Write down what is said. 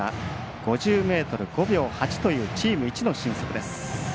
５０ｍを５秒８というチーム１の俊足。